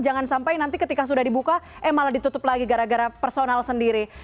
jangan sampai nanti ketika sudah dibuka eh malah ditutup lagi gara gara personal sendiri